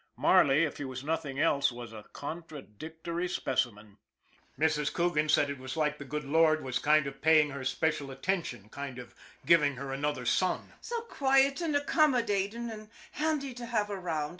Marley, if he was nothing else, was a contradictory specimen. Mrs. Coogan said it was like the good Lord was kind of paying her special attention, kind of giving her another son " so quiet an' accommodatin' an' handy to have around.